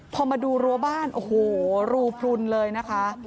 พอมาดูรั้วบ้านโอ้โหรูพลุนเลยนะคะ